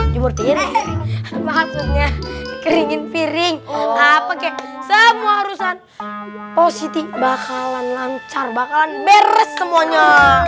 jemurtiin maksudnya keringin piring apa kek semua urusan positif bakalan lancar bakalan beres semuanya